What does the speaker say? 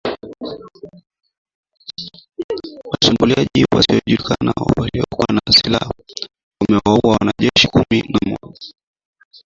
Washambuliaji wasiojulikana waliokuwa na silaha wamewaua wanajeshi kumi na mmoja